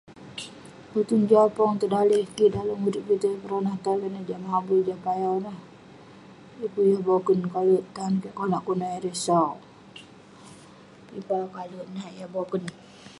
Kutun jau pong dong daleh kik, dalem irip kik itouk yah peronah [unintelligible] jah mabui, jah payau ineh. Yeng pun yah boken kalek tan kik konak kunah ireh sau. Yeng pun akouk kalek nat yah boken.